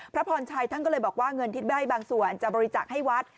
พระพรชัยท่านก็เลยบอกว่าเงินที่ได้บางส่วนจะบริจาคให้วัด